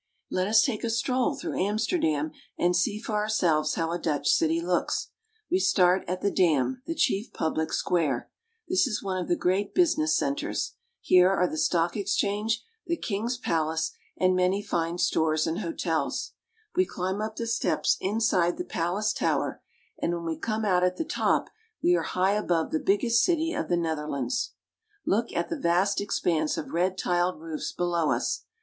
Let us take a stroll through Amsterdam, and see for ourselves how a Dutch city looks. We start at the Dam, the chief public square. This is one of the great business centers. Here are the stock exchange, the king's palace, and many fine stores and hotels. We climb up the steps inside the palace tower, and when we come out at the top, we are high above the biggest city of the Netherlands. Look at the vast expanse of red tiled roofs below us.